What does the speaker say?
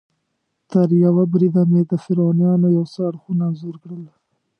تریوه بریده مې د فرعونیانو یو څه اړخونه انځور کړل.